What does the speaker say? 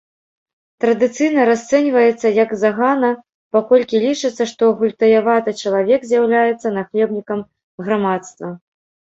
Традыцыйна расцэньваецца як загана, паколькі лічыцца, што гультаяваты чалавек з'яўляецца нахлебнікам грамадства.